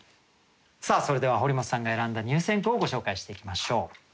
さあそれでは堀本さんが選んだ入選句をご紹介していきましょう。